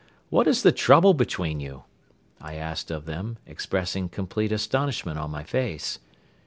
What is the trouble between you?" I asked of them, expressing complete astonishment on my face.